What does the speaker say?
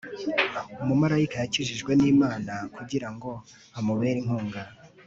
umumarayika yakijijwe n'imana kugirango amubere inkunga